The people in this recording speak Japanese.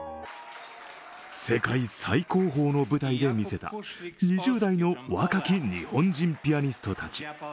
世界最高峰の舞台で見せた２０代の若き日本人ピアニストたち。